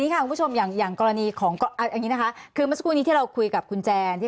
คุณผู้ชมอย่างกรณีของโดรมอนเรื่องเรื่องหนึ่งที่เราคุ้นแจน